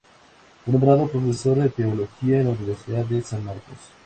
Fue nombrado profesor de Teología en la Universidad de San Marcos.